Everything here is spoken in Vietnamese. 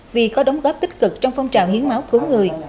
vì có đóng góp tích cực trong phong trào hiến máu cứu người